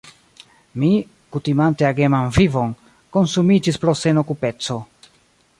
Mi, kutimante ageman vivon, konsumiĝis pro senokupeco.